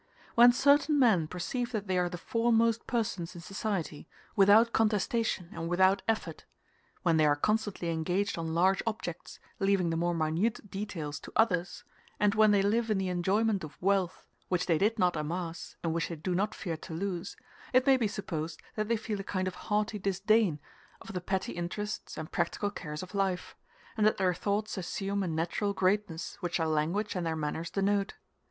When certain men perceive that they are the foremost persons in society, without contestation and without effort when they are constantly engaged on large objects, leaving the more minute details to others and when they live in the enjoyment of wealth which they did not amass and which they do not fear to lose, it may be supposed that they feel a kind of haughty disdain of the petty interests and practical cares of life, and that their thoughts assume a natural greatness, which their language and their manners denote.